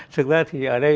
thực ra thì ở đây